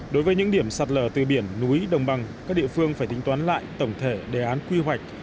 đối với những điểm sạt lở từ biển núi đồng bằng các địa phương phải tính toán lại tổng thể đề án quy hoạch